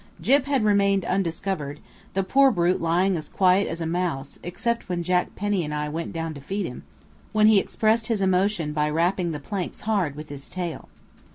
Gyp had remained undiscovered, the poor brute lying as quiet as a mouse, except when Jack Penny and I went down to feed him, when he expressed his emotion by rapping the planks hard with his tail.